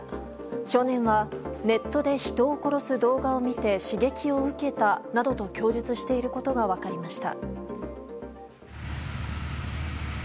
少年は、ネットで人を殺す動画を見て刺激を受けたなどと供述していることが分かりました。